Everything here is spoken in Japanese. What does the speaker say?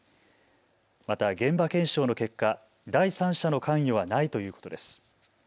また現場検証の結果、第三者の関与はないということです。